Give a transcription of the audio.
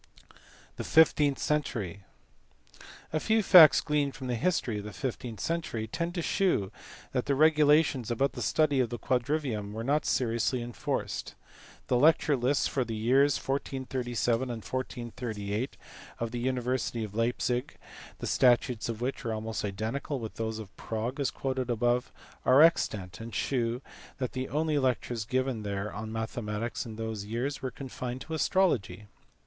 The fifteenth century. A few facts gleaned from the history of the fifteenth century tend to shew that the regula tions about the study of the quadrivium were not seriously enforced. The lecture lists for the years 1437 and 1438 of the university of Leipzig (the statutes of which are almost identical with those of Prague as quoted above) are extant, and shew that the only lectures given there on. mathematics in those years were confined to astrology.